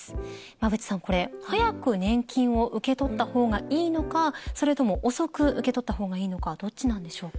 馬渕さんこれ早く年金を受け取った方がいいのかそれとも遅く受け取った方がいいのかどっちなんでしょうか？